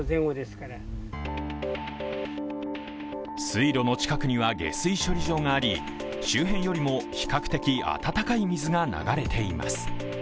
水路の近くには下水処理場があり周辺よりも比較的温かい水が流れています。